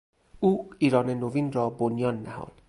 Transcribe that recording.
او ایران نوین را بنیان نهاد.